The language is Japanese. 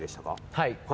はい。